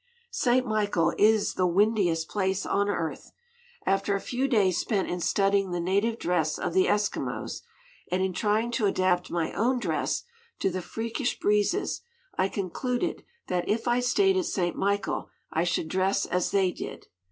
St. Michael is the windiest place on earth. After a few days spent in studying the native dress of the Eskimos, and in trying to adapt my own dress to the freakish breezes I concluded that if I stayed at St. Michael I should dress as they did.